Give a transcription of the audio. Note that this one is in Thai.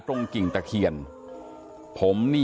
ฐานพระพุทธรูปทองคำ